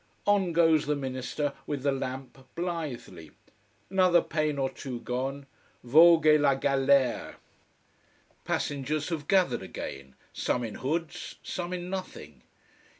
On goes the minister with the lamp, blithely. Another pane or two gone. Vogue la galère. Passengers have gathered again, some in hoods, some in nothing.